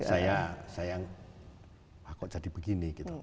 saya kok jadi begini